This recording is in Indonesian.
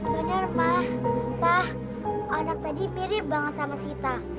bener ma pa anak tadi mirip banget sama sita